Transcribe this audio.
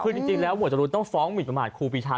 คือจริงแล้วหมวดจรูนต้องฟ้องหมินประมาทครูปีชา